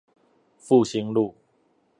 復興路